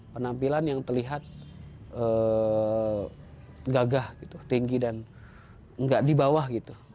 penampilan yang terlihat gagah tinggi dan nggak di bawah